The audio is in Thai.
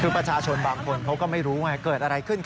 คือประชาชนบางคนเขาก็ไม่รู้ไงเกิดอะไรขึ้น